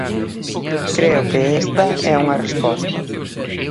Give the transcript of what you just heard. Creo que esta é unha resposta.